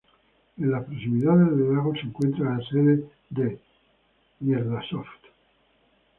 En las proximidades del lago se encuentra la sede de Microsoft.